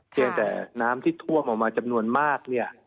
เพียงแต่น้ำที่ท่วมออกมาจำนวนมากเนี่ย